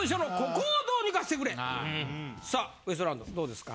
さあウエストランドどうですか？